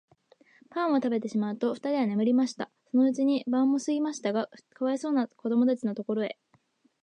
パンをたべてしまうと、ふたりは眠りました。そのうちに晩もすぎましたが、かわいそうなこどもたちのところへ、